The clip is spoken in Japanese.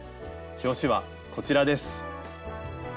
表紙はこちらです。